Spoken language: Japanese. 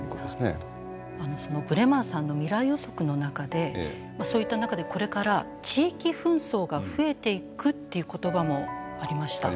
そのブレマーさんの未来予測の中でそういった中でこれから地域紛争が増えていくっていう言葉もありました。